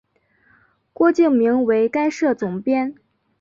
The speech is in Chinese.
郭敬明为该社总编。